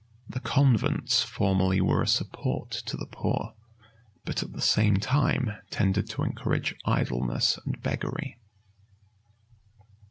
The convents formerly were a support to the poor; but at the same time tended to encourage idleness and beggary.